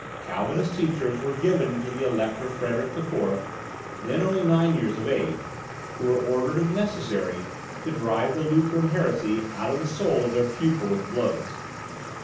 Calvinistic teachers were given to the Elector Frederick IV., then only nine years of age, who were ordered, if necessary, to drive the Lutheran heresy out of the soul of their pupil with blows.